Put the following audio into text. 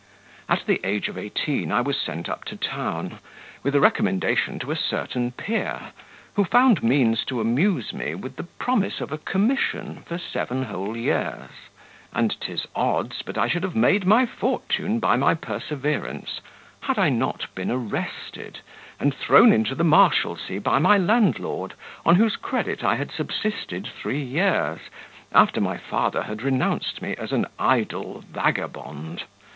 At the age of eighteen I was sent up to town, with a recommendation to a certain peer, who found means to amuse me with the promise of a commission for seven whole years; and 'tis odds but I should have made my fortune by my perseverance, had not I been arrested, and thrown into the Marshalsea by my landlord, on whose credit I had subsisted three years, after my father had renounced me as an idle vagabond.